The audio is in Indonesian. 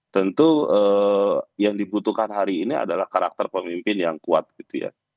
tentu yang dibutuhkan hari ini adalah karakter pemimpin yang kuat gitu ya